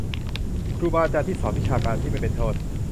ครูบาอาจารย์ที่สอนวิชาการที่ไม่เป็นโทษ